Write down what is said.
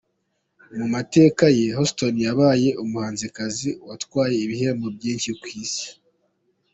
Mu mateka ye, Houston yabaye umuhanzikazi watwaye ibihembo byinshi ku isi.